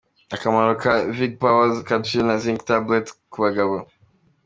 Akamaro ka vig power capsule na zinc tablet kubagabo.